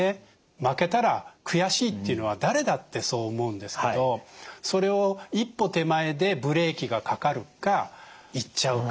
負けたら悔しいっていうのは誰だってそう思うんですけどそれを一歩手前でブレーキがかかるか言っちゃうか。